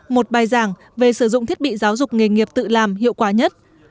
một bài giảng về sử dụng thiết bị giáo dục nghề nghiệp tự làm hiệu quả nhất